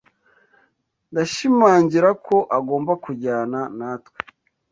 Ndashimangira ko agomba kujyana natwe.